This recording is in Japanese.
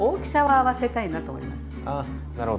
ああなるほど。